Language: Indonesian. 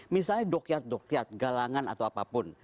misalnya dokyat dokyat galangan atau apapun